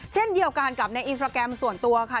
เช่นเดียวกันกับในอินสตราแกรมส่วนตัวค่ะ